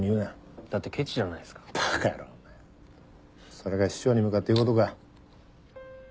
それが師匠に向かって言うことか。